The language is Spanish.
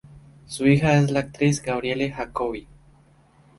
Su hija es la actriz Gabriele Jacoby.